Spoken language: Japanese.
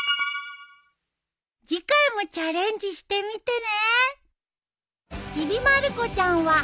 次回もチャレンジしてみてね。